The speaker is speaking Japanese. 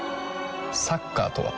サッカーとは？